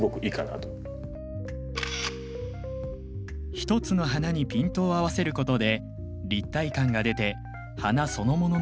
一つの花にピントを合わせることで立体感が出て花そのものの美しさも際立ってきます。